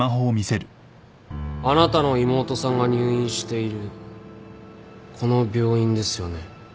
あなたの妹さんが入院しているこの病院ですよね。